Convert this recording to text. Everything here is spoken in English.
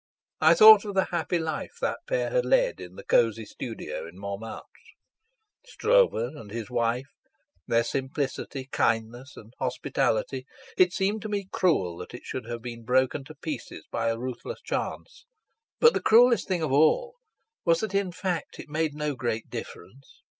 I thought of the happy life that pair had led in the cosy studio in Montmartre, Stroeve and his wife, their simplicity, kindness, and hospitality; it seemed to me cruel that it should have been broken to pieces by a ruthless chance; but the cruellest thing of all was that in fact it made no great difference.